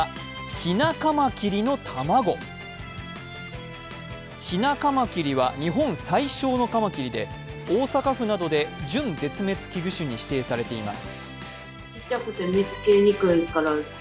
ヒナカマキリは日本最小のカマキリで大阪府などで準絶滅危惧種に指定されています。